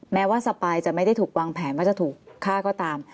แม้ว่าสปายจะไม่ได้ถูกวางแผนว่าจะถูกฆ่าก็ตาม